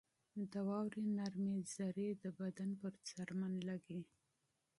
• د واورې نرمې ذرې د بدن پر مخ لګي.